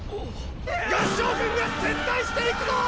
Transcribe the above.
合従軍が撤退していくぞー！！